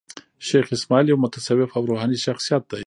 شېخ اسماعیل یو متصوف او روحاني شخصیت دﺉ.